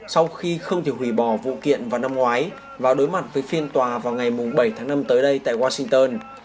sau khi không thể hủy bỏ vụ kiện vào năm ngoái và đối mặt với phiên tòa vào ngày bảy tháng năm tới đây tại washington